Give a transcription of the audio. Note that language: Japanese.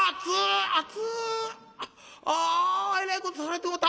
あえらいことされてもうた！